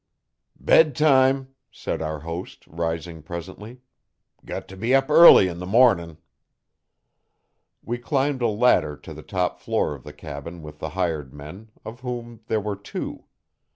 'Bedtime,' said our host, rising presently. 'Got t' be up early 'n the morning.' We climbed a ladder to the top floor of the cabin with the hired men, of whom there were two.